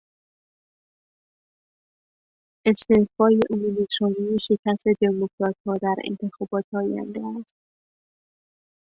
استعفای او نشانهی شکست دموکراتها در انتخابات آینده است.